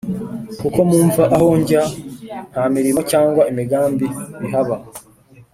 kuko mu mva aho ujya nta mirimo cyangwa imigambi bihaba.